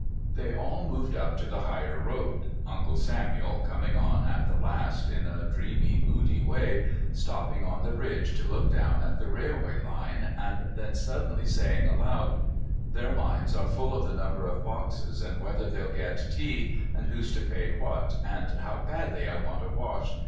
They all moved up to the higher road. Uncle Samuel, coming on at the last, in a dreamy, moody way, stopping on the bridge to look down at the railway line, and then suddenly saying aloud: "Their minds are full of the number of boxes, and whether they'll get tea, and who's to pay what, and 'How badly I want a wash!'